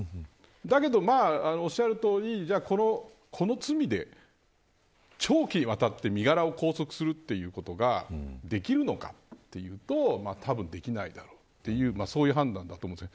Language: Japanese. だけどおっしゃるとおりこの罪で長期にわたって身柄を拘束するということができるのかというとたぶんできないだろうというそういう判断だと思うんです。